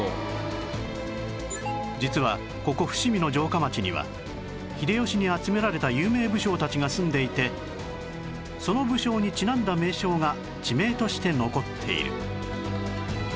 実はここ伏見の城下町には秀吉に集められた有名武将たちが住んでいてその武将にちなんだ名称が地名として残っている